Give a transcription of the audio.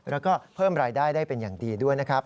แล้วก็เพิ่มรายได้ได้เป็นอย่างดีด้วยนะครับ